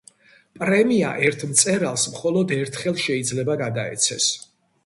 პრემია ერთ მწერალს მხოლოდ ერთხელ შეიძლება გადაეცეს.